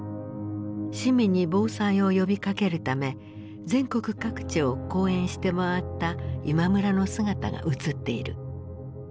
市民に防災を呼びかけるため全国各地を講演して回った今村の姿が映っている。